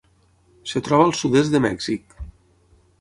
Es troba al sud-est de Mèxic.